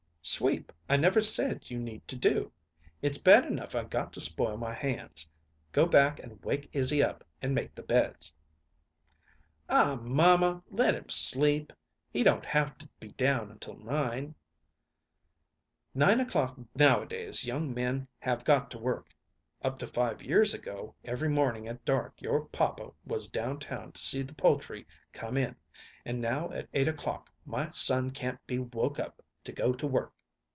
"Sweep I never said you need to do. It's bad enough I got to spoil my hands. Go back and wake Izzy up and make the beds." "Aw, mamma, let him sleep. He don't have to be down until nine." "Nine o'clock nowadays young men have got to work! Up to five years ago every morning at dark your papa was down town to see the poultry come in, and now at eight o'clock my son can't be woke up to go to work.